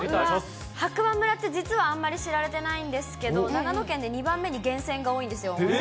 白馬村って、実はあんまり知られてないんですけど、長野県で２番目に源泉が多いんですよ。